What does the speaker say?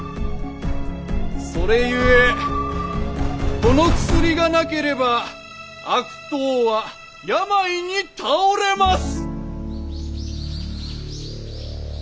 それゆえこの薬がなければ悪党は病に倒れます！